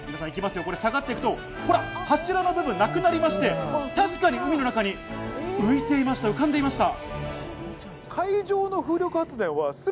下がっていくと、ほら、柱の部分なくなりまして、確かに海の中に浮いていました、浮かんでいました。